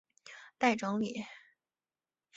待整理